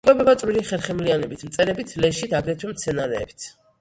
იკვებება წვრილი ხერხემლიანებით, მწერებით, ლეშით, აგრეთვე მცენარეებით.